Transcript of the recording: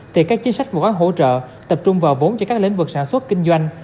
thì các chính sách và gói hỗ trợ tập trung vào vốn cho các lĩnh vực sản xuất kinh doanh